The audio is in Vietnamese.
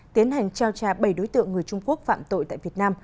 tiến hành trao trả bảy đối tượng người trung quốc phạm tội tại việt nam